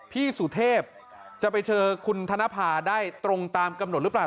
พี่สุเทพจะไปเจอคุณธนภาได้ตรงตามกำหนดหรือเปล่า